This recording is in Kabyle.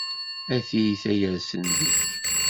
A tiyita yersen deg-k!